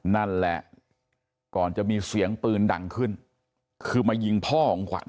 นั่นแหละก่อนจะมีเสียงปืนดังขึ้นคือมายิงพ่อของขวัญ